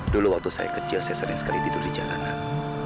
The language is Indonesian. dulu waktu saya kecil saya sering sekali tidur di jalanan